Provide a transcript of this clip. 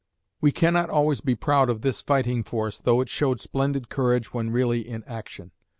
We cannot always be proud of this fighting force, though it showed splendid courage when really in action.